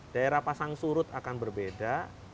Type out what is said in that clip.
daerah pasang surut akan berbeda